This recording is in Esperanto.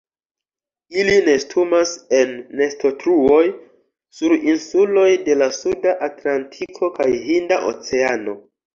Ili nestumas en nestotruoj sur insuloj de la Suda Atlantiko kaj Hinda Oceano.